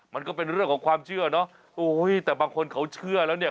มันก็เป็นเรื่องของความเชื่อเนอะโอ้ยแต่บางคนเขาเชื่อแล้วเนี่ย